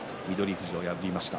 富士を破りました。